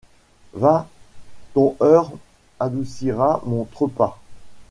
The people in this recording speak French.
Va, ton heur adoucira mon tre-pas. ..